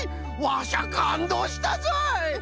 ワシャかんどうしたぞい！